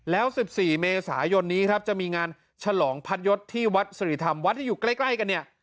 แล้ว๑๔เมษายนนี้ครับจะมีงานฉลองพัดยศที่วัดสิริธรรมวัดที่อยู่ใกล้กันเนี่ย